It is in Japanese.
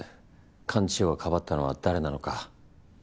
幹事長がかばったのは誰なのか。